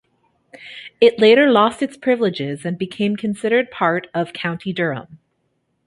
It later lost its privileges, and became considered part of County Durham.